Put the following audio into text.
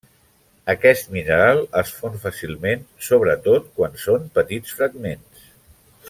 Aquest mineral es fon fàcilment, sobretot quan són petits fragments.